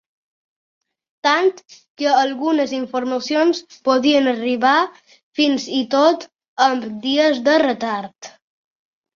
Tant, que algunes informacions podien arribar fins i tot amb dies de retard.